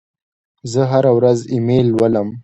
زه هره ورځ ایمیل لولم.